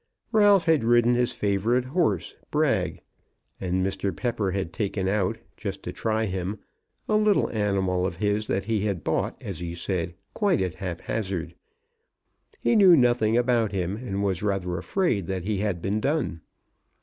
Ralph had ridden his favourite horse Brag, and Mr. Pepper had taken out, just to try him, a little animal of his that he had bought, as he said, quite at haphazard. He knew nothing about him, and was rather afraid that he had been done.